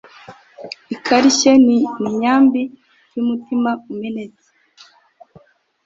ikarishye ni imyambi y'umutima umenetse